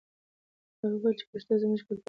هغه وویل چې پښتو زموږ کلتوري پانګه ده.